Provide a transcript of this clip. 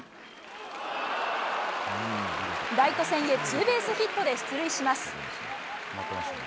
ライト線へツーベースヒットで出塁します。